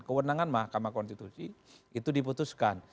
kewenangan mahkamah konstitusi itu diputuskan